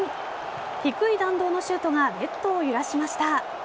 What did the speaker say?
低い弾道のシュートがネットを揺らしました。